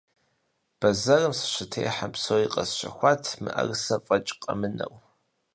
Бэзэрым сыщытехьам, псори къэсщэхуат, мыӏэрысэ фӏэкӏ къэмынэу.